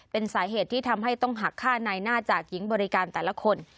เป็นสาเหตุที่ทำให้ต้องหักค่าในหน้าจากหญิงบริการแต่ละคน